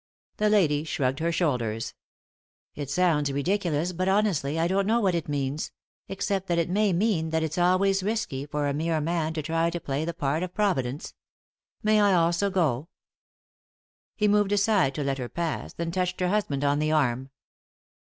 The lady shrugged her shoulders. "It sounds ridiculous, but, honestly, I don't know what it means, except that it may mean that it's always risky for a mere man to try to play the part of Providence. May I also go?" He moved aside to let her pass, then touched her husband on the arm.